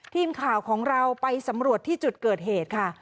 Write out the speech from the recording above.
ทีมข่าวของเราไปสำรวจที่จุดเกิดเหตุค่ะ